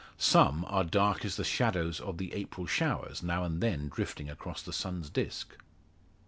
Some are dark as the shadows of the April showers now and then drifting across the sun's disc.